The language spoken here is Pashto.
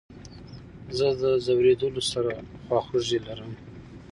زه له ځورېدلو سره خواخوږي لرم.